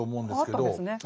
ああったんですね。